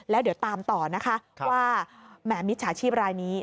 แล้วเดี๋ยวตามต่อนะคะว่าแหมมิจฉาชีพรายนี้